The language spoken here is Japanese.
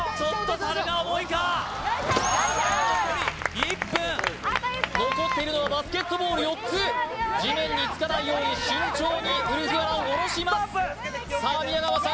さあ残り１分残っているのはバスケットボール４つ地面につかないように慎重にウルフアロン下ろしますさあ宮川さん